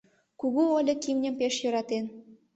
Кугу Ольок имньым пеш йӧратен.